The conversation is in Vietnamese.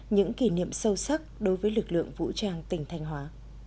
những kỷ niệm sâu sắc đối với lực lượng vũ trang tình thành hóa